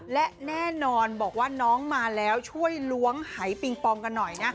และแน่นอนบอกว่าน้องมาแล้วช่วยล้วงหายปิงปองกันหน่อยนะ